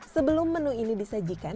sebelum menu ini disajikan